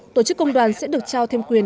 tổ chức công đoàn sẽ được trao thêm quyền